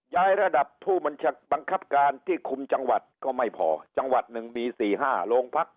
ระดับผู้บังคับการที่คุมจังหวัดก็ไม่พอจังหวัดหนึ่งมี๔๕โรงพัก